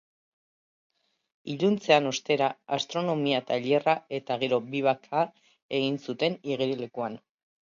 Iluntzean, ostera, astronomia tailerra eta gero vivac-a egin zuten igerilekuan.